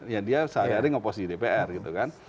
ya dia sehari hari ngepost di dpr gitu kan